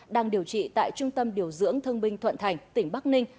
đang điều trị tại trung tâm điều dưỡng thương binh thuận thành tỉnh bắc ninh